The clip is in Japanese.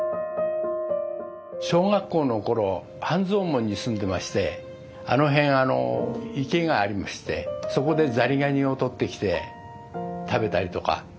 小学校の頃半蔵門に住んでましてあの辺池がありましてそこでザリガニをとってきて食べたりとか。